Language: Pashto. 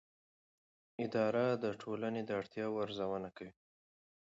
اداره د ټولنې د اړتیاوو ارزونه کوي.